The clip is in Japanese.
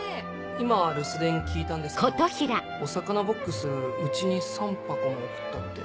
今留守電聞いたんですけどお魚ボックスうちに３箱も送ったって。